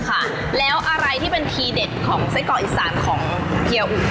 ค่ะแล้วอะไรที่เป็นทีเด็ดของไส้กรอกอีสานของเกียร์อุ